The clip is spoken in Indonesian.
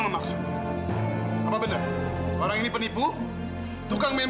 reski mama mau bicara sekarang ayo